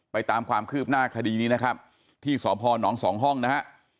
ตามความคืบหน้าคดีนี้นะครับที่สพนสองห้องนะฮะ